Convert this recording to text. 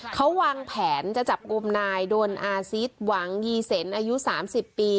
เขาวางแผนจะจับกลุ่มนายโดนอาซิสหวังยีเซนอายุ๓๐ปี